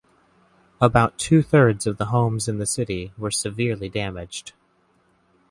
About two thirds of the homes in the city were severely damaged.